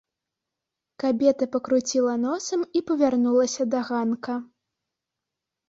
Кабета пакруціла носам і павярнулася да ганка.